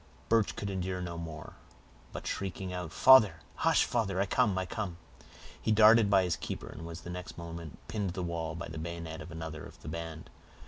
Birch could endure no more, but shrieking out,— "Father! hush—father! I come—I come!" he darted by his keeper and was the next moment pinned to the wall by the bayonet of another of the band.